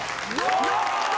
やった！